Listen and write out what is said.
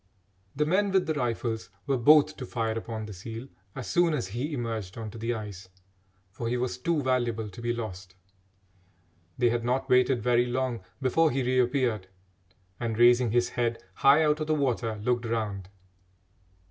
The men with the rifles were both to fire upon the seal as soon as he emerged on to the ice, for he was too valuable to be lost. They had not waited very long before he reappeared and, raising his head high out of the water, looked around.